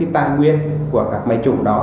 tài nguyên của các máy chủ đó